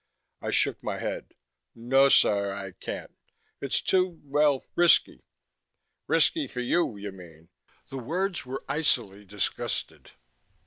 I shook my head. "No, sir. I can't. It's too, well, risky." "Risky for you, you mean!" The words were icily disgusted.